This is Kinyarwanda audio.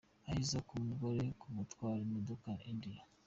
Aheza ku mugore ku gutwara imodoka : India.